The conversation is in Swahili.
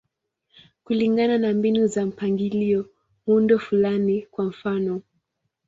Kulingana na mbinu za mpangilio, muundo fulani, kwa mfano.